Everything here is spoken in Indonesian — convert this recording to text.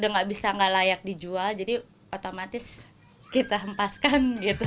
udah nggak bisa nggak layak dijual jadi otomatis kita hempaskan gitu